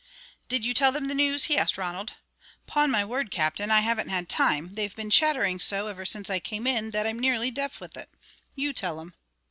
"Did you tell them the news?" he asked Ronald. "'Pon my word, Captain, I haven't had time. They've been chattering so ever since I came in that I'm nearly deaf with it. You tell 'em."